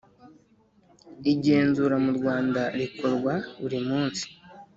Igenzura mu Rwanda rikorwa burimunsi.